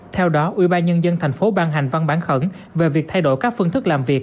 theo đó ubnd tp hcm văn bản khẩn về việc thay đổi các phương thức làm việc